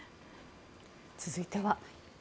続いては。